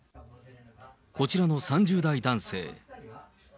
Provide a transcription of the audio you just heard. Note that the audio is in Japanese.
こちらの３０代男性。